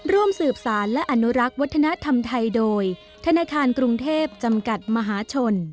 ร่วมสืบสารและอนุรักษ์วัฒนธรรมไทยโดยธนาคารกรุงเทพจำกัดมหาชน